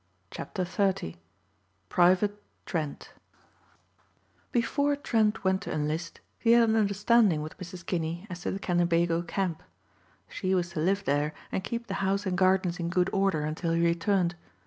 CHAPTER XXX "PRIVATE TRENT" Before Trent went to enlist, he had an understanding with Mrs. Kinney as to the Kennebago camp. She was to live there and keep the house and gardens in good order until he returned.